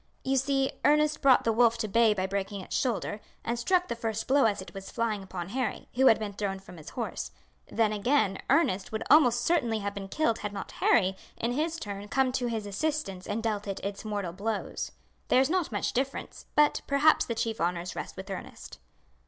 "You see Ernest brought the wolf to bay by breaking its shoulder, and struck the first blow as it was flying upon Harry, who had been thrown from his horse. Then, again, Ernest would almost certainly have been killed had not Harry in his turn come to his assistance and dealt it its mortal blows. There is not much difference, but perhaps the chief honours rest with Ernest."